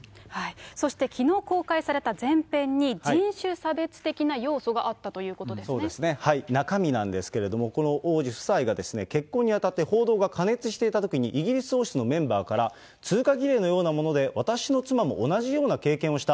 そして、きのう公開された前編に人種差別的な要素があったということですそうですね、中身なんですけれども、この王子夫妻が、結婚にあたって報道が過熱していたときに、イギリス王室のメンバーから、通過儀礼のようなもので、私の妻も同じような経験をした。